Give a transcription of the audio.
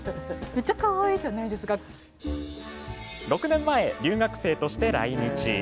６年前、留学生として来日。